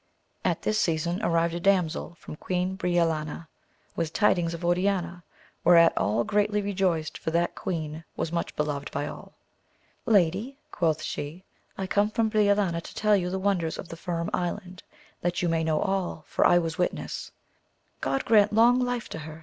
At this season arrived a damsel from Queen Brio lania with tidings to Oriana, whereat all greatly re joiced for that queen was much beloved by all. Lady, quoth she, I come from Briolania to tell you the wonders of the Firm Island, that you may know all, for I was witness. God grant long life to her